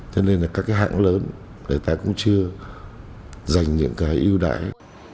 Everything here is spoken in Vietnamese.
thế nên là các hãng lớn người ta cũng chưa dành những cái ưu đại